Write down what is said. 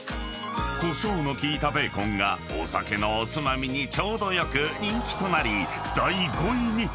［胡椒の効いたベーコンがお酒のおつまみにちょうどよく人気となり第５位に］